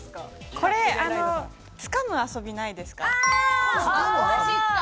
これをつかむ遊びないですか？